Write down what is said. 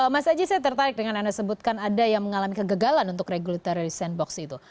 mas aji saya tertarik dengan anda sebutkan ada yang mengalami kegagalan untuk regulatory sandbox itu